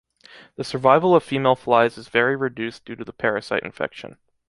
The survival of female flies is very reduced due to the parasite infection.